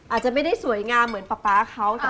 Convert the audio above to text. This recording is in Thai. อาจจะไม่ได้สวยงามเหมือนป๊าป๊าเขา